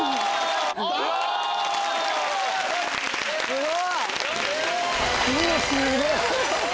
すごい！